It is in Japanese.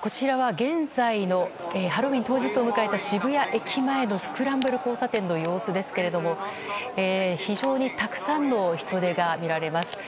こちらは現在のハロウィーン当日を迎えた渋谷駅前のスクランブル交差点の様子ですけれども非常にたくさんの人出が見られます。